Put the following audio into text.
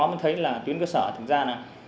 mình thấy là tuyến cơ sở thật ra là